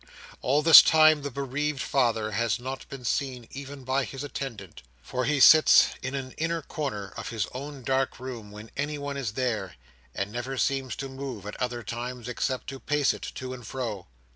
All this time, the bereaved father has not been seen even by his attendant; for he sits in an inner corner of his own dark room when anyone is there, and never seems to move at other times, except to pace it to and fro.